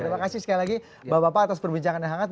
terima kasih sekali lagi bapak bapak atas perbincangan yang hangat